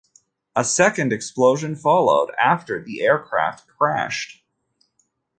A second explosion followed after the aircraft crashed.